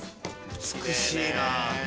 美しいな。